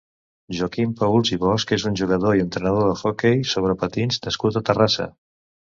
Joaquim Paüls i Bosch és un jugador i entrenador d'hoquei sobre patins nascut a Terrassa.